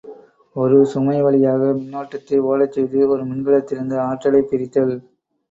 ஒரு சுமை வழியாக மின்னோட்டத்தை ஒடச் செய்து ஒரு மின்கலத்திலிருந்து ஆற்றலைப் பிரித்தல்.